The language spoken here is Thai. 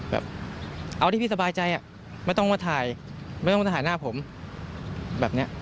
แบบเอาที่พี่สบายใจไม่ต้องมาถ่ายไม่ต้องมาถ่ายหน้าผมแบบนี้